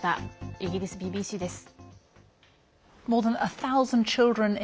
イギリスＢＢＣです。